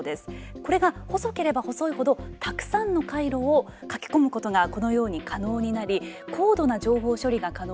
これが細ければ細いほどたくさんの回路を書き込むことがこのように可能になり高度な情報処理が可能になります。